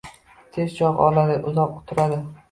Tez cho‘g‘ oladi, uzoq turadi.